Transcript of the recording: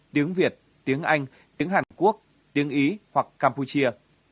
tiếng việt tiếng anh tiếng hàn quốc tiếng ý hoặc campuchia